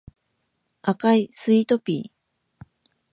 赤いスイートピー